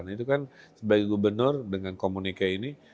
nah itu kan sebagai gubernur dengan komunike ini